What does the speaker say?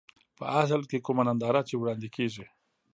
په اصل کې کومه ننداره چې وړاندې کېږي.